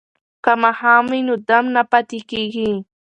که ماښام وي نو دم نه پاتې کیږي.